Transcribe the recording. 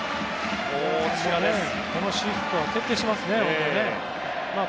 このシフトは徹底していますね。